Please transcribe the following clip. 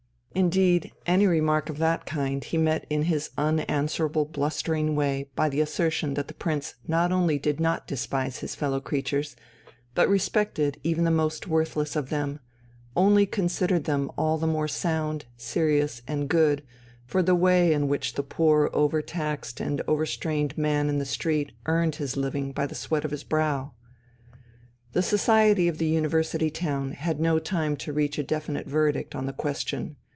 Indeed, any remark of that kind he met in his unanswerable blustering way by the assertion that the Prince not only did not despise his fellow creatures, but respected even the most worthless of them, only considered them all the more sound, serious, and good for the way in which the poor over taxed and over strained man in the street earned his living by the sweat of his brow.... The society of the university town had no time to reach a definite verdict on the question.